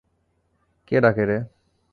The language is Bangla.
কে ডাকে রে?